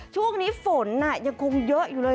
ช่วงนี้ฝนยังคงเยอะอยู่เลย